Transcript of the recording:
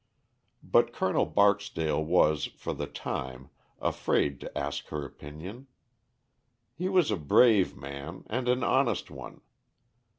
But Colonel Barksdale was, for the time, afraid to ask her opinion. He was a brave man and an honest one.